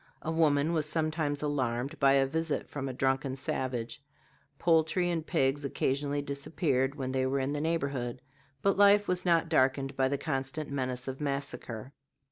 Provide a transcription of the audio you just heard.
A woman was sometimes alarmed by a visit from a drunken savage; poultry and pigs occasionally disappeared when they were in the neighborhood; but life was not darkened by the constant menace of massacre.